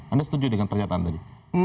anda setuju dengan pernyataan tadi